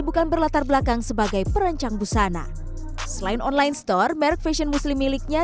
bukan berlatar belakang sebagai perancang busana selain online store merek fashion muslim miliknya